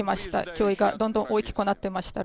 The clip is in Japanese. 脅威がどんどん大きくなっていました。